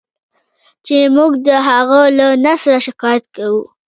چې موږ د هغه له نثره شکایت کوو.